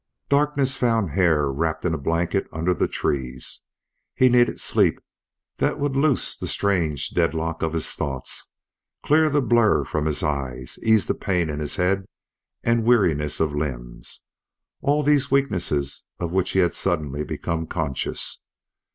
Darkness found Hare wrapped in a blanket under the trees. He needed sleep that would loose the strange deadlock of his thoughts, clear the blur from his eyes, ease the pain in his head and weariness of limbs all these weaknesses of which he had suddenly become conscious.